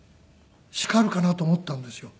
叱るかなと思ったんですよ。